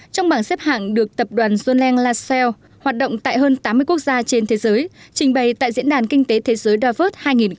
trong bảng xếp hạng được tập đoàn john lang lascelles hoạt động tại hơn tám mươi quốc gia trên thế giới trình bày tại diễn đàn kinh tế thế giới đa vớt hai nghìn một mươi bảy